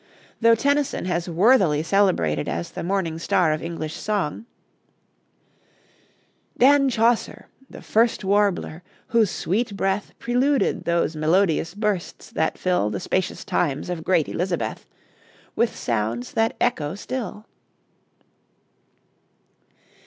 Though Tennyson has worthily celebrated as the morning star of English song "Dan Chaucer, the first warbler, whose sweet breath Preluded those melodious bursts that fill The spacious times of great Elizabeth With sounds that echo still."